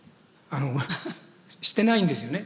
あのしてないんですよね。